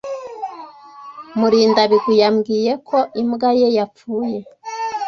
Murindabigwi yambwiye ko imbwa ye yapfuye.